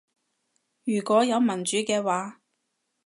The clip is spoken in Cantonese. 如果有民主嘅話